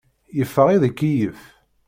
Yeffeɣ ad ikeyyef.